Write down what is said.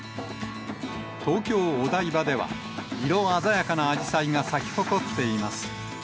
東京・お台場では、色鮮やかなアジサイが咲き誇っています。